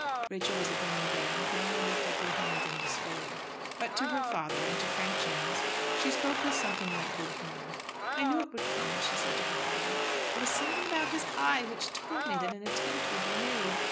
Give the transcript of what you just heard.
Rachel was again in bed, and could only lift up her hands in despair. But to her father, and to Frank Jones, she spoke with something like good humour. "I knew it would come," she said to her father. "There was something about his eye which told me that an attempt would be made.